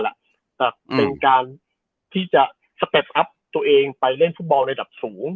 แหละแต่เป็นการที่จะตัวเองไปเล่นฟุตบอลในดับสูง